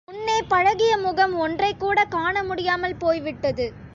முன்னே பழகிய முகம் ஒன்றைக்கூடக் காண முடியாமல் போய்விட்டது?